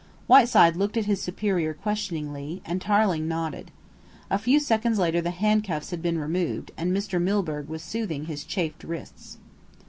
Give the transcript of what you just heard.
Whiteside looked at his superior questioningly, and Tarling nodded. A few seconds later the handcuffs had been removed, and Mr. Milburgh was soothing his chafed wrists.